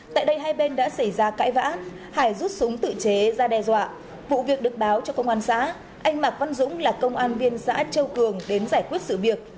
tại đây hai bên đã xảy ra cãi vã hải rút súng tự chế ra đe dọa vụ việc được báo cho công an xã anh mạc văn dũng là công an viên xã châu cường đến giải quyết sự việc